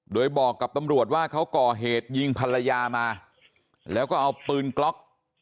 โดยบอกกับตำรวจว่าเขาก่อเหตุยิงภรรยามาแล้วก็เอาปืนกล็อก